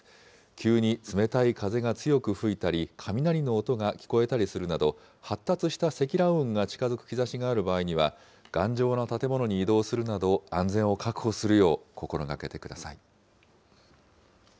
急に冷たい風が強く吹いたり、雷の音が聞こえたりするなど、発達した積乱雲が近づく兆しがある場合は頑丈な建物に移動するなど、安全を確保するよう心がけてください。